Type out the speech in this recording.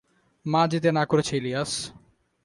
মা যেতে না করেছে ইলিয়াস!